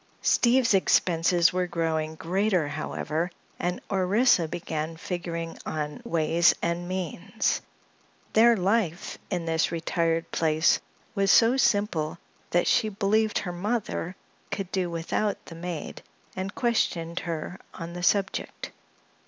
Steve's expenses were growing greater, however, and Orissa began figuring on "ways and means." Their life in this retired place was so simple that she believed her mother could do without the maid and questioned her on the subject.